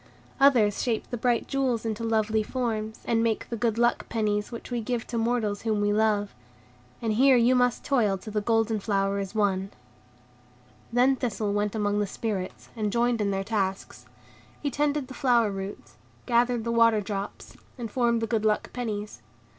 Others shape the bright jewels into lovely forms, and make the good luck pennies which we give to mortals whom we love. And here you must toil till the golden flower is won." Then Thistle went among the Spirits, and joined in their tasks; he tended the flower roots, gathered the water drops, and formed the good luck pennies.